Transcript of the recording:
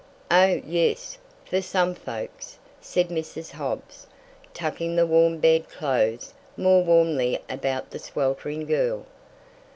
"Oh, yes, for some folks," said Mrs. Hobbs, tucking the warm bed clothes more warmly about the sweltering girl.